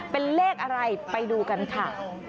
เป็นเลขอะไรไปดูกันค่ะ